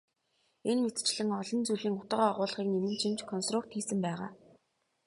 Энэ мэтчилэн олон зүйлийн утга агуулгыг нэмэн чимж консрукт хийсэн байгаа.